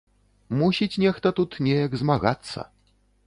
Мусіць нехта тут неяк змагацца.